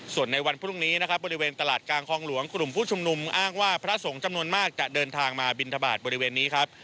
ส่วนในวันพรุ่งนี้นะครับบริเวณตลาดกลางคลองหลวงกลุ่มผู้ชุมนุมอ้างว่าพระสงฆ์จำนวนมากจะเดินทางมาบินทบาทบริเวณนี้ครับ